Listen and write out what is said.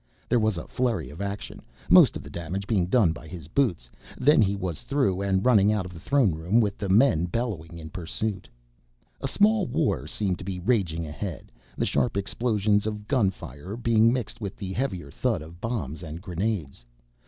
There was a flurry of action, most of the damage being done by his boots, then he was through and running out of the throne room with the men bellowing in pursuit. A small war seemed to be raging ahead, the sharp explosions of gunfire being mixed with the heavier thud of bombs and grenades.